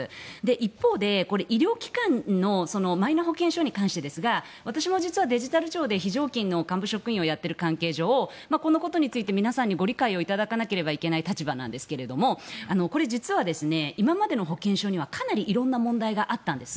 一方で医療機関のマイナ保険証に関してですが私も実はデジタル庁で非常勤の幹部職員をやっている関係上このことについて皆さんにご理解を頂かなければならない立場なんですがこれ、実は今までの保険証にはかなり色んな問題があったんです。